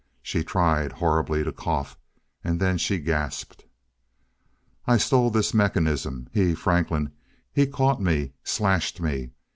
She tried, horribly, to cough. And then she gasped: "I stole this mechanism. He Franklin he caught me slashed me.